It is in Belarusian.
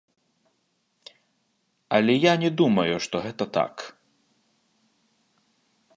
Але я не думаю, што гэта так.